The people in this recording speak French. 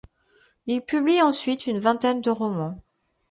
Il publie ensuite une vingtaine de romans.